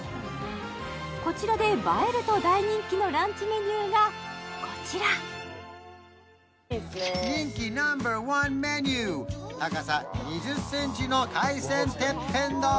こちらで映えると大人気のランチメニューがこちら人気ナンバーワンメニューうん！